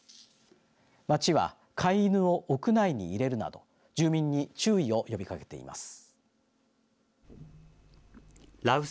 町は飼い犬を屋内に入れるなど住民に注意を呼びかけています。